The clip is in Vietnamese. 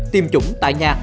tiêm chủng tại nhà